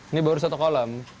ini baru satu kolam